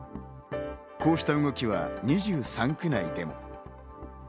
こうした動きは２３区内でも。